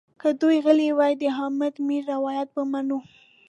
که دوی غلي وي د حامد میر روایت به منو.